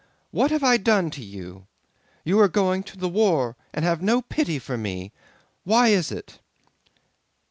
What have I done to you? You are going to the war and have no pity for me. Why is it?"